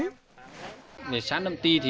sản nậm ti là một cơ sở thu mua thảo quả tươi